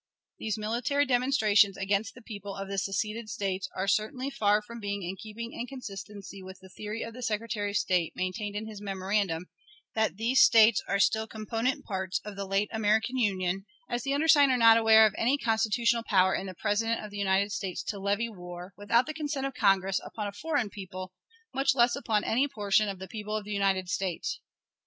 These military demonstrations against the people of the seceded States are certainly far from being in keeping and consistency with the theory of the Secretary of State, maintained in his memorandum, that these States are still component parts of the late American Union, as the undersigned are not aware of any constitutional power in the President of the United States to levy war, without the consent of Congress, upon a foreign people, much less upon any portion of the people of the United States.